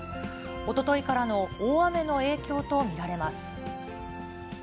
おとといからの大雨の影響と見られます。